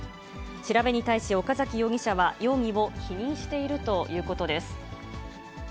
調べに対し岡崎容疑者は容疑を否認しているということです。